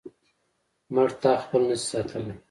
مړتا خپل نشي ساتلی.